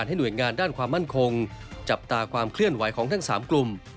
หน่วยงานด้านความมั่นคงจับตาความเคลื่อนไหวของทั้ง๓กลุ่ม